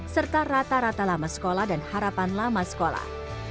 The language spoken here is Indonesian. serta rata rata lama sekolah dan harapan lama sekolah